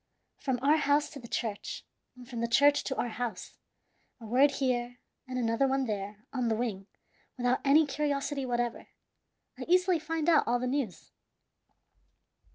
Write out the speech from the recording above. From our house to the church, and from the church to our house a word here and another one there on the wing without any curiosity whatever I easily find out all the news.